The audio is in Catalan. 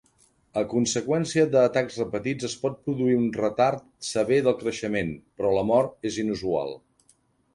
A conseqüència de atacs repetits es pot produir un retard sever del creixement, però la mort és inusual.